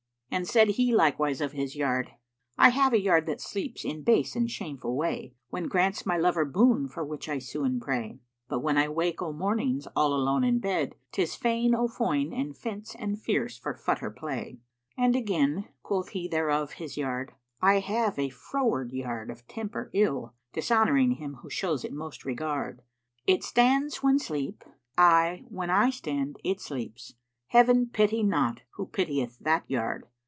'[FN#457] And said he likewise of his yard, 'I have a yard that sleeps in base and shameful way * When grants my lover boon for which I sue and pray: But when I wake o' mornings[FN#458] all alone in bed, * 'Tis fain o' foin and fence and fierce for futter play.' And again quoth he thereof of his yard, 'I have a froward yard of temper ill * Dishonoring him who shows it most regard: It stands when sleep I, when I stand it sleeps * Heaven pity not who pitieth that yard!'"